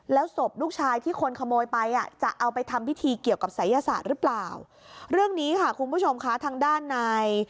แล้วศพลูกชายที่คนขโมยไปอ่ะจะเอาไปทำพิธีเกี่ยวกับศัยศาสตร์หรือเปล่าเรื่องนี้ค่ะคุณผู้ชมค่ะทางด้านใน